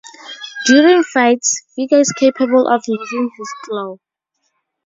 During fights, Vega is capable of losing his claw.